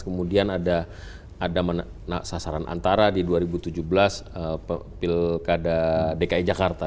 kemudian ada sasaran antara di dua ribu tujuh belas pilkada dki jakarta